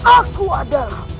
aku ada di sini